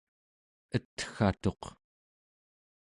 etgatuq